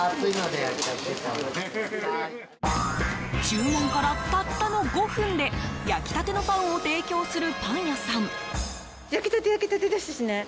注文から、たったの５分で焼きたてのパンを提供するパン屋さん。